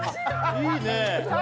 いいね。